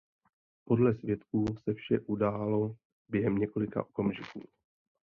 Podle svědků se vše událo během několika okamžiků.